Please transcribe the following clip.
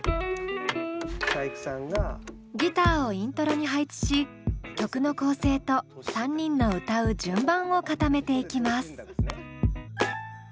ギターをイントロに配置し曲の構成と３人の歌う順番を固めていきます。